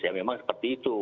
ya memang seperti itu